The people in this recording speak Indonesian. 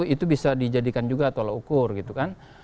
itu bisa dijadikan juga tolak ukur gitu kan